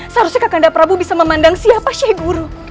seharusnya kandap prabu bisa memandang siapa sheikh guru